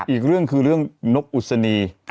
อีกเรื่องคือเรื่องนกอุศนี